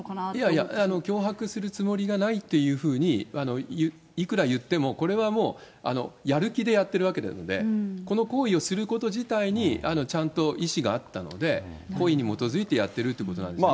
いやいや、脅迫するつもりがないというふうに、いくら言っても、これはもうやる気でやってるわけなので、この行為をすること自体に、ちゃんと意思があったので、故意に基づいてやってるということなんですね。